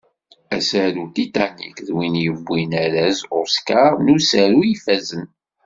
Asaru Titanic d win yewwin arraz Oscar n usaru ifazen.